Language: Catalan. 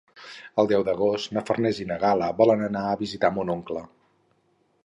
El deu d'agost na Farners i na Gal·la volen anar a visitar mon oncle.